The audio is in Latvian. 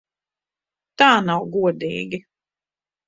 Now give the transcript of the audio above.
Tā nav godīgi!